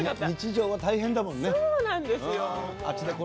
常は大変だもんね。